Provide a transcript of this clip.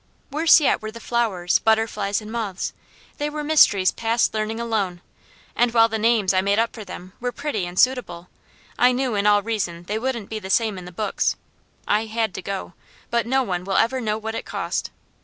Worse yet were the flowers, butterflies, and moths; they were mysteries past learning alone, and while the names I made up for them were pretty and suitable, I knew in all reason they wouldn't be the same in the books. I had to go, but no one will ever know what it cost.